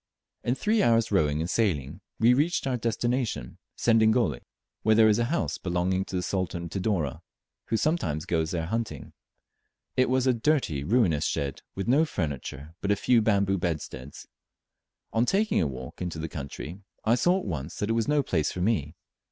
In three hours' rowing and sailing we reached our destination, Sedingole, where there is a house belonging to the Sultan of Tidore, who sometimes goes there hunting. It was a dirty ruinous shed, with no furniture but a few bamboo bedsteads. On taking a walk into the country, I saw at once that it was no place for me.